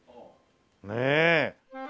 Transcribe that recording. ねえ！